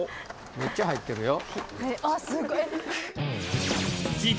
めっちゃ入ってるよ。